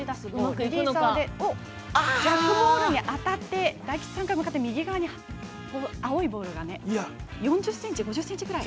ジャックボールに当たって大吉さんから向かって右側に青いボールが４０ｃｍ、５０ｃｍぐらい。